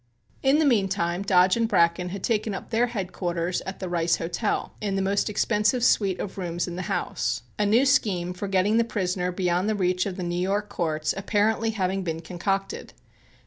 In the meantime, Dodge and Bracken had taken up their headquarters at the Rice Hotel in the most expensive suite of rooms in the house, a new scheme for getting the prisoner beyond the reach of the New York courts apparently having been concocted.